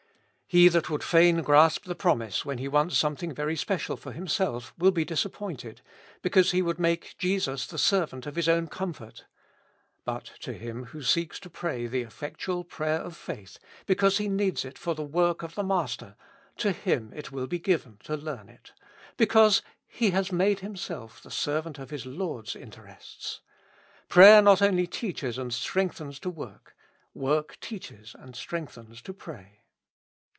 He that would fain grasp the promise when he wants something very special for himself, will be disappointed, because he would make Jesus the servant of his own comfort. But to him who seeks to pray the effectual prayer of faith, because he needs it for the work of the Master, 154 With Christ in the School of Prayer. to fiim it will be given to learn it ; because he has made himself the servant of his Lord's interests. Prayer not only teaches and strengthens to work ; work teaches and strengtiiens to pray.